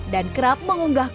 dan kerap mengungkapnya